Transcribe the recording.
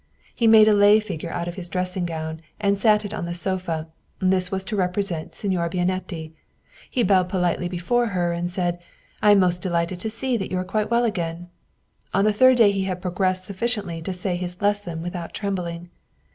He made a lay figure out of his dressing gown and sat it on the sofa ; this was to represent Signora Bianetti. He bowed politely before her and said, " I am most delighted to see that you are quite well again." On the third day he had progressed sufficiently to say his lesson without trembling.